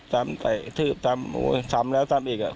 ตายแล้วตายธิต้ำแล้วต้ำอีกเหรอ